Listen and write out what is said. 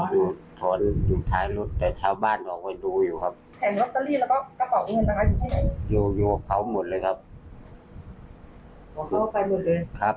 ผมก็กินแต่เรากับเบียกับเขา